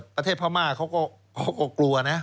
ประเทศพม่าเขาก็กลัวนะ